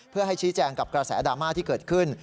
เพื่อให้ชี้แจงกับกระแสดราม่าที่เกิดขึ้น